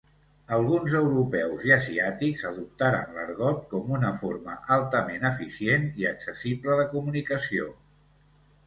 Alguns europeus i asiàtics adoptaren l'argot com una forma altament eficient i accessible de comunicació.